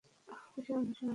ওহ, কিসের অনুশীলন?